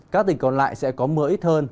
các tỉnh còn lại sẽ có mưa ít hơn